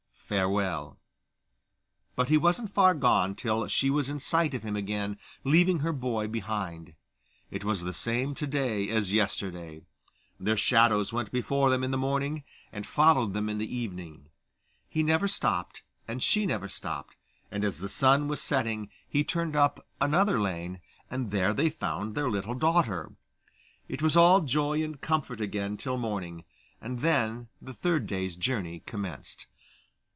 Farewell!' But he wasn't far gone till she was in sight of him again, leaving her boy behind. It was the same to day as yesterday: their shadows went before them in the morning and followed them in the evening. He never stopped, and she never stopped, and as the sun was setting he turned up another lane, and there they found their little daughter. It was all joy and comfort again till morning, and then the third day's journey commenced.